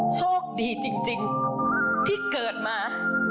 โชคดีจริงที่เกิดมา